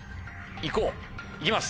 いきます。